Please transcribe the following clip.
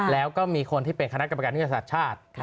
แล้วก็มีคนที่เป็นคณะกรรมการนิวสัตว์ชาติ